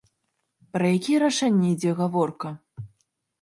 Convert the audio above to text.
Пра якія рашэнні ідзе гаворка?